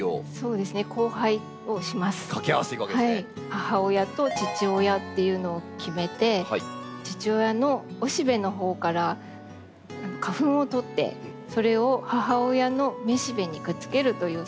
母親と父親っていうのを決めて父親の雄しべのほうから花粉をとってそれを母親の雌しべにくっつけるという作業をするのが交配。